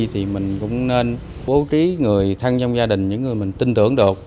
thì mình cũng nên bố trí người thân trong gia đình những người mình tin tưởng được